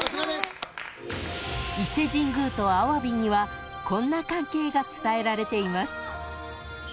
［伊勢神宮とアワビにはこんな関係が伝えられています］